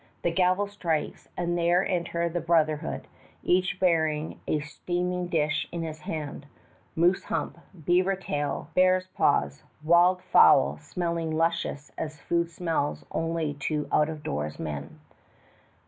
The gavel strikes, and there enter the Brotherhood, each bearing a steaming dish in his hand, moose hump, beaver tail, bears' paws, wild fowl smelling luscious as food smells only to out of doors men.